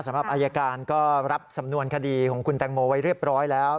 สำหรับอายการก็รับสำนวนคดีของคุณแตงโมไว้เรียบร้อยแล้ว